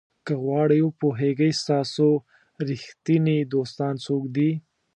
که غواړئ وپوهیږئ ستاسو ریښتیني دوستان څوک دي.